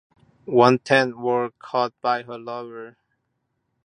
One tenth were caught by her lover.